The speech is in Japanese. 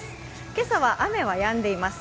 今朝は雨はやんでいます。